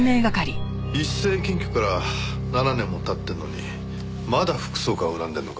一斉検挙から７年も経ってるのにまだ副総監を恨んでるのか。